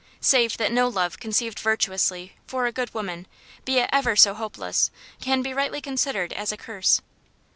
Save that no love conceived virtuously, for a good woman, be it ever so hopeless, can be rightly considered as a curse.